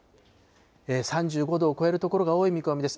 ３５度を超える所が多い見込みです。